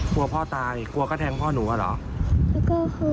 กลัวพ่อตายกลัวก็แทงพ่อหนูอะเหรอ